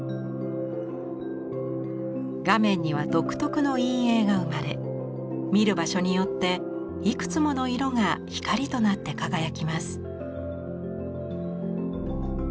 画面には独特の陰影が生まれ見る場所によっていくつもの色が光となって輝きます。